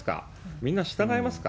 みんな従いますか？